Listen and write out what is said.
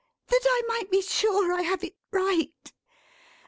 That I might be sure I have it right!